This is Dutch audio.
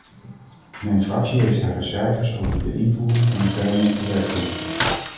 Mijn fractie heeft haar reserves over de invoering van een permanente werkgroep.